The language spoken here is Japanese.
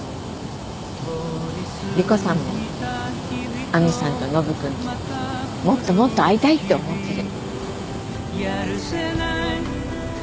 莉湖さんも亜美さんとノブ君ともっともっと会いたいって思ってる。